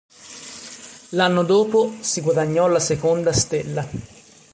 L'anno dopo si guadagnò la seconda stella.